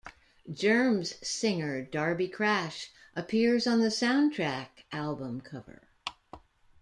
Germs singer Darby Crash appears on the soundtrack album cover.